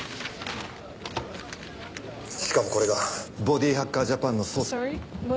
しかもこれがボディハッカージャパンの。